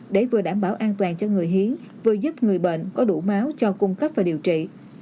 để vừa đảm bảo an toàn cho người hiến vừa giúp người bệnh có đủ máu cho cung cấp và điều trị